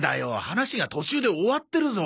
話が途中で終わってるぞ。